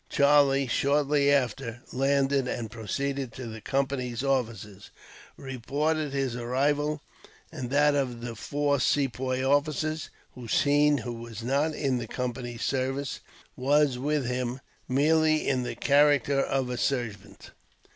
Charlie shortly after landed, and, proceeding to the Company's offices, reported his arrival, and that of the four Sepoy officers. Hossein, who was not in the Company's service, was with him merely in the character of a servant.